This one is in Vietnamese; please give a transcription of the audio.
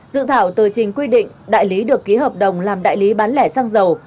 dự thảo từ chính quy định đại lý được ký hợp đồng làm đại lý bán lẻ xăng dầu